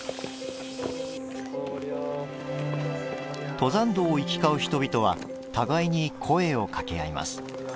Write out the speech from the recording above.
登山道を行き交う人々は互いに声をかけあいます。